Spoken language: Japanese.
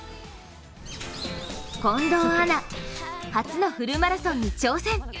近藤アナ、初のフルマラソンに挑戦。